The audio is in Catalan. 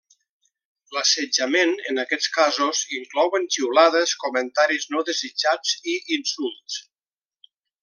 L'assetjament en aquests casos inclouen xiulades, comentaris no desitjats i insults.